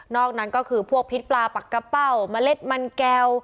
อกนั้นก็คือพวกพิษปลาปักกะเป้าเมล็ดมันแก้ว